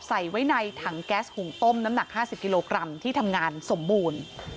ใส่ไว้ในถังแก๊สหุงต้มน้ำหนัก๕๐กิโลกรัมที่ทำงานสมบูรณ์